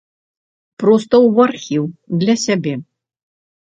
Проста ў архіў для сябе.